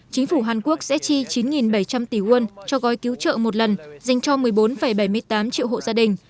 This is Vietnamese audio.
chính phủ hàn quốc sẽ chi chín bảy trăm linh tỷ won cho gói cứu trợ một lần dành cho một mươi bốn bảy mươi tám triệu hộ gia đình